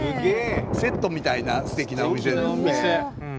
セットみたいなすてきなお店ですね。